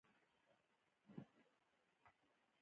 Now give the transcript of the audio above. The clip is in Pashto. انګریزانو په هند کې له دې طریقې ډېر کار واخیست.